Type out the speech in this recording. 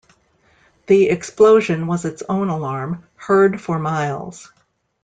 The explosion was its own alarm, heard for miles.